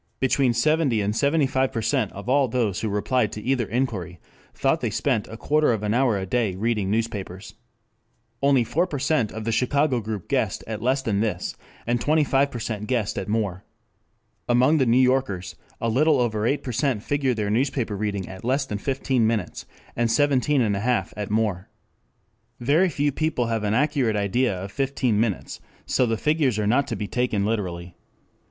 Between seventy and seventy five percent of all those who replied to either inquiry thought they spent a quarter of an hour a day reading newspapers. Only four percent of the Chicago group guessed at less than this and twenty five percent guessed at more. Among the New Yorkers a little over eight percent figured their newspaper reading at less than fifteen minutes, and seventeen and a half at more. Very few people have an accurate idea of fifteen minutes, so the figures are not to be taken literally.